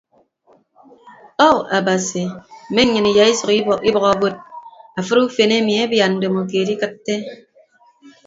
Ou abasi mme nnyịn iyaisʌk ibʌk abod afịd ufen emi abia ndomokeed ikịtte.